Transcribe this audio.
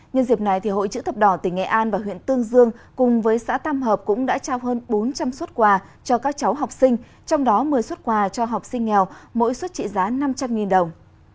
nhân dịp này hội chữ thập đỏ tỉnh nghệ an và huyện tương dương cùng với xã tam hợp cũng đã trao hơn bốn trăm linh xuất quà cho các cháu học sinh trong đó một mươi xuất quà cho học sinh nghèo mỗi suất trị giá năm trăm linh đồng